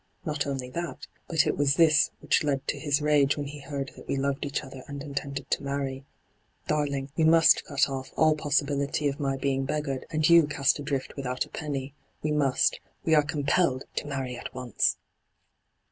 Not only that, but it was this which led to his rage when he heard that we loved each other and intended to marry. Darling, we must cut o£f all possibility of my being beggared, and you cast adrift without a penny. We must — we are compelled to marry at once